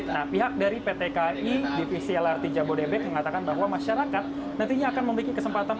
nah pihak dari pt kai divisi lrt jabodebek mengatakan bahwa masyarakat nantinya akan memiliki kesempatan